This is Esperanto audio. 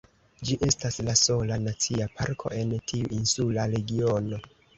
Ĝi estas la sola nacia parko en tiu insula regiono.